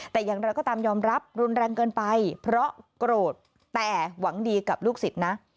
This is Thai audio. แต่อย่างไรก็ตามยอมรับรุนแรงเกินไปเพราะโกรธแต่หวังดีกับลูกศิษย์นะ